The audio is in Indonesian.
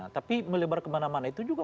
tapi melebar kemana mana itu juga